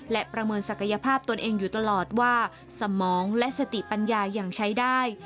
และประเมินศักยภาพตนเองอยู่ตลอดว่าสมองและสติปัญญายังใช้ได้